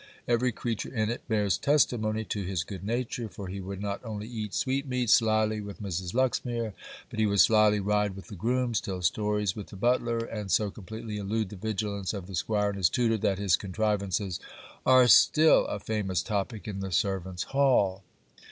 Every creature in it bears testimony to his good nature, for he would not only eat sweetmeats slily with Mrs. Luxmere, but he would slily ride with the grooms, tell stories with the butler, and so completely elude the vigilance of the 'Squire and his tutor, that his contrivances are still a famous topic in the servants' hall.